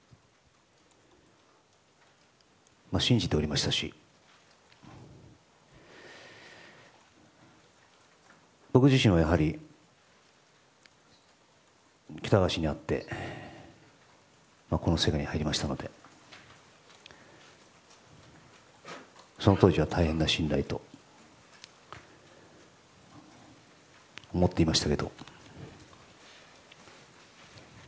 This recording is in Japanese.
信じておりましたし僕自身はやはり喜多川氏に会ってこの世界に入りましたのでその当時は大変な信頼を持っていました。